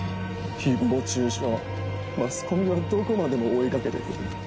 誹謗中傷マスコミはどこまでも追い掛けて来る。